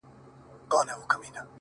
ای د نشې د سمرقند او بُخارا لوري ـ